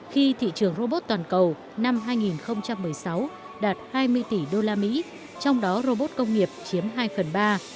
khi thị trường robot toàn cầu năm hai nghìn một mươi sáu đạt hai mươi tỷ đô la mỹ trong đó robot công nghiệp chiếm hai phần ba